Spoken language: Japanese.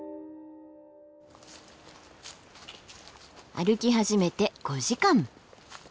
歩き始めて５時間。